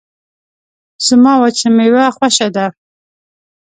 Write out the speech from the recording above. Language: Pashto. زما وچه میوه خوشه ده